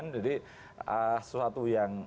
jadi suatu yang